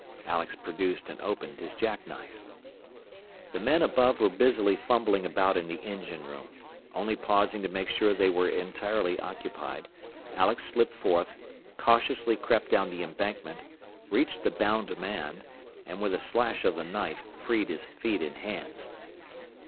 Alex produced and opened his jack knife. The men above were busily fumbling about in the engine room. Only pausing to make sure they were entirely occupied, Alex slipped forth, cautiously crept down the embankment, reached the bound man, and with a slash of the knife freed his feet and hands.